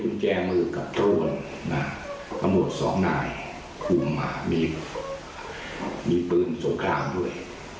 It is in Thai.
แม่มือกับทรวนอำวุธสองนายคุมหมามีปืนโสกรามด้วย